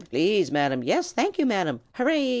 please, Madam!" "Thank you, Madam!" "Hurrah!